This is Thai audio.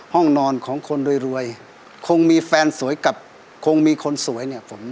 ห้องนอนของคนรวยคงมีแฟนสวยกับคงมีคนสวยเนี่ย